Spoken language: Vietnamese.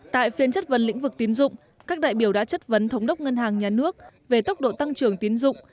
tại phiên chất vấn lĩnh vực tiến dụng các đại biểu đã chất vấn thống đốc ngân hàng nhà nước về tốc độ tăng trưởng tiến dụng